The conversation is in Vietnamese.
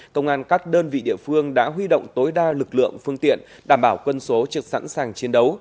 công an các đơn vị địa phương đã huy động tối đa lực lượng phương tiện đảm bảo quân số trực sẵn sàng chiến đấu